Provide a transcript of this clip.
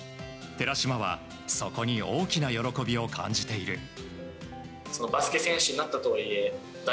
寺嶋はそこに大きな喜びを感じている。